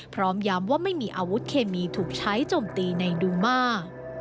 พร้อมย้ำว่าไม่มีอาวุธเคมีถูกใช้จมตีในดูมา